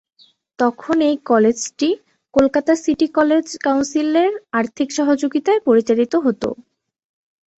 তখন এই কলেজটি কলকাতা সিটি কলেজ কাউন্সিলের আর্থিক সহযোগিতায় পরিচালিত হতো।